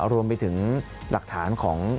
รวมไปถึงหลักฐานของ